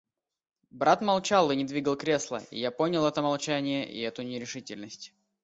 Брат молчал и не двигал кресла, и я понял это молчание и эту нерешительность.